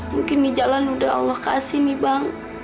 mungkin di jalan udah allah kasih nih bang